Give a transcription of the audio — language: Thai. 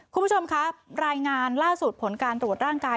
คุณผู้ชมครับรายงานล่าสุดผลการตรวจร่างกาย